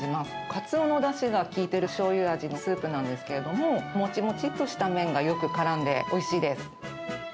カツオのだしが効いているしょうゆ味のスープなんですけれども、もちもちっとした麺がよくからんで、おいしいです。